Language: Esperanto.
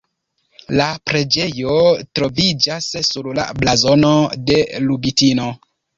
La preĝejo troviĝas sur la blazono de Lubitino.